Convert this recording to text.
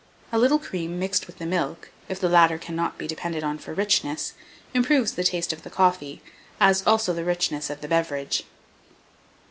A little cream mixed with the milk, if the latter cannot be depended on for richness, improves the taste of the coffee, as also the richness of the beverage.